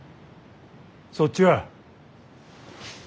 そっちは。